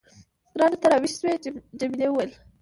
ګرانه، ته راویښ شوې؟ جميلې وويل:.